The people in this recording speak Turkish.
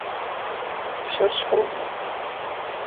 Dışarı çıkalım mı?